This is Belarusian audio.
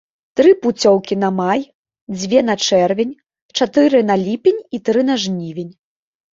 Тры пуцёўкі на май, дзве на чэрвень, чатыры на ліпень і тры на жнівень.